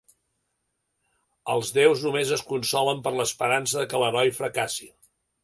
Els deus només es consolen per l'esperança de que l'heroi fracassi.